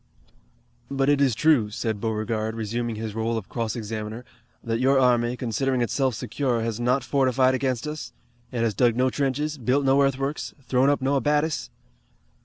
"But it is true," said Beauregard, resuming his role of cross examiner, "that your army, considering itself secure, has not fortified against us? It has dug no trenches, built no earthworks, thrown up no abatis!"